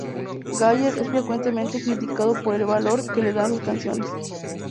Gallagher es frecuentemente criticado por el valor que le da a sus canciones.